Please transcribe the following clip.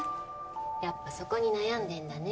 やっぱそこに悩んでんだね。